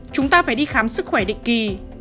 chúng ta phải đi khám sức khỏe định kỳ